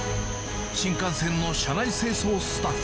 新幹線の車内清掃スタッフ。